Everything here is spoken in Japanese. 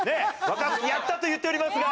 若槻「やった」と言っておりますが。